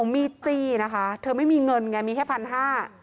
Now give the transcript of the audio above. มีดจี้นะคะเธอไม่มีเงินไงมีแค่พันห้า